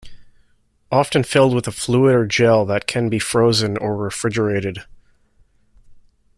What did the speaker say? Often filled with a fluid or gel that can be frozen or refrigerated.